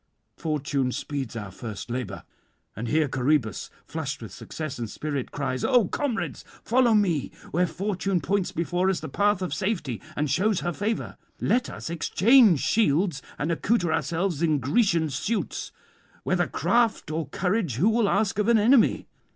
Fortune speeds our first labour. And here Coroebus, flushed with success and spirit, cries: "O comrades, follow me where fortune points before us the path of safety, and shews her favour. Let us exchange shields, and accoutre ourselves in Grecian suits; whether craft or courage, who will ask of an enemy?